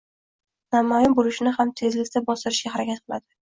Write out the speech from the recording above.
namoyon bo‘lishini ham tezlikda bostirishga harakat qiladi.